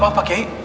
maaf pak kayu